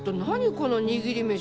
この握り飯。